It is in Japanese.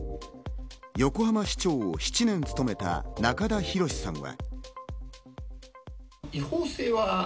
横浜市長を７年務めた中田宏さんは。